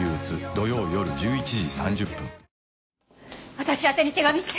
私宛てに手紙って！？